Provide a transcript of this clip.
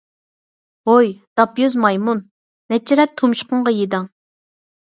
ھوي داپ يۈز مايمۇن! نەچچە رەت تۇمشۇقۇڭغا يېدىڭ.